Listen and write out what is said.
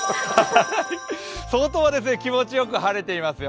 外は気持ちよく晴れていますよ。